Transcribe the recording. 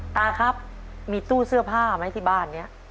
ตาครับมีตู้เสื้อผ้าไหมที่บ้านนี้